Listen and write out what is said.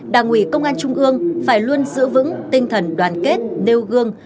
đảng ủy công an trung ương phải luôn giữ vững tinh thần đoàn kết nêu gương